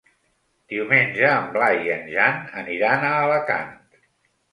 Diumenge en Blai i en Jan aniran a Alacant.